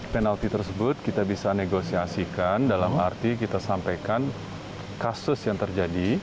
penalti tersebut kita bisa negosiasikan dalam arti kita sampaikan kasus yang terjadi